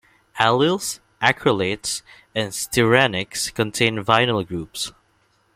Allyls, acrylates and styrenics contain vinyl groups.